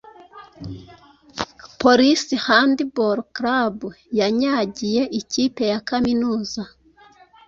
Polisi Handball Club yanyagiye ikipe ya Kaminuuza